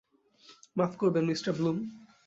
মাফ করবেন, Mr Bloom.